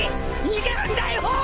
逃げるんだよ！